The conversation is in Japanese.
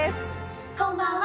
こんばんは。